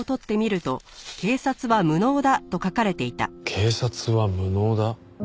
「警察は無能だ」。